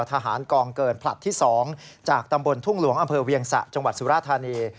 ทหารกองเกินผลัดที่๒จากตำบลทุ่งหลวงอำเภอเวียงสะจังหวัดสุราธานี